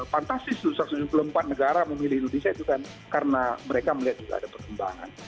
fantastis satu ratus tujuh puluh empat negara memilih indonesia itu kan karena mereka melihat juga ada perkembangan